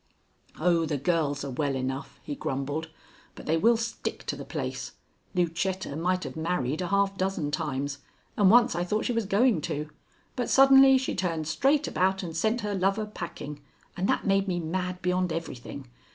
"Oh, the girls are well enough," he grumbled; "but they will stick to the place. Lucetta might have married a half dozen times, and once I thought she was going to, but suddenly she turned straight about and sent her lover packing, and that made me mad beyond everything.